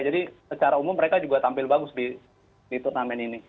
jadi secara umum mereka juga tampil bagus di turnamen ini